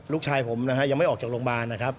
ลูกชายผมนะฮะยังไม่ออกจากโรงพยาบาลนะครับ